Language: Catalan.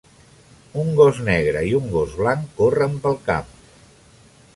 Un gos negre i un gos blanc corren pel camp.